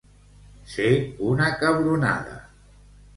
Ser una cabronada.